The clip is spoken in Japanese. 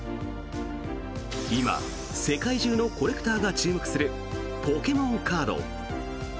今、世界中のコレクターが注目するポケモンカード。